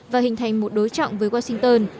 và hình thành một đối trọng với washington